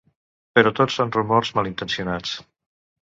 Però tot són rumors malintencionats.